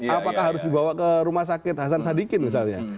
apakah harus dibawa ke rumah sakit hasan sadikin misalnya